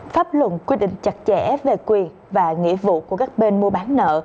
pháp luật quy định chặt chẽ về quyền và nghĩa vụ của các bên mua bán nợ